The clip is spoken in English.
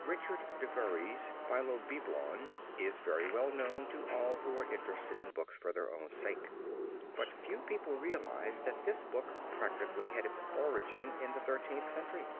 Richard de Bury's Philobiblon is very well known to all who are interested in books for their own sake, but few people realize that this book practically had its origin in the Thirteenth Century.